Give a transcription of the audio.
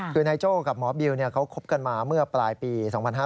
คือนายโจ้กับหมอบิวเขาคบกันมาเมื่อปลายปี๒๕๕๙